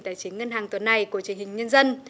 tài chính ngân hàng tuần này của truyền hình nhân dân